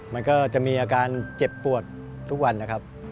มันก็จะมีอาการเจ็บปวดทุกวันนะครับ